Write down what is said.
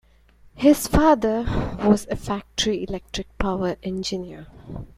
His father was a factory electric power engineer.